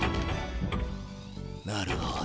なるほど。